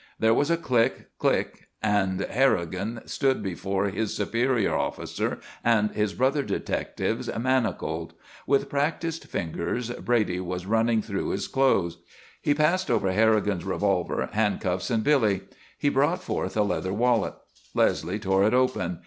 There was a click, click and Harrigan stood before his superior officer and his brother detectives, manacled. With practised fingers Brady was running through his clothes. He passed over Harrigan's revolver, handcuffs and billy. He brought forth a leather wallet. Leslie tore it open.